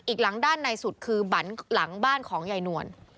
อีกหลังด้านในสุดคือบันหลังบ้านของยายนวล